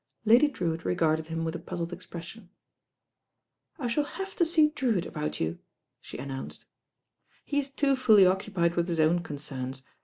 Lady Drewitt regarded him with a puzzled ex pression. "I shall have to see Drewitt about you," she an nounced. "He is too fully occupied with his own concerns.